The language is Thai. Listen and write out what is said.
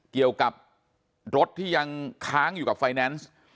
เกี่ยวกับรถที่ยังค้างอยู่กับไฟแนนซ์